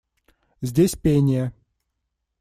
Здесь пение.